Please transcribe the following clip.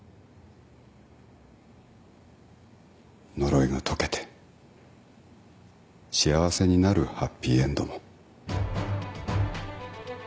呪いが解けて幸せになるハッピーエンドも。